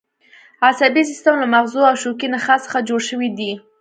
عصبي سیستم له مغزو او شوکي نخاع څخه جوړ شوی دی